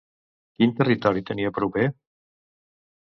Quin territori tenia proper?